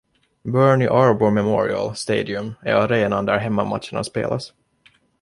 Bernie Arbour Memorial Stadium är arenan där hemmamatcherna spelas.